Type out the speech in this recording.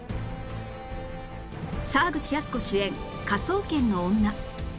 沢口靖子主演『科捜研の女』